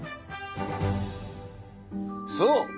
そう！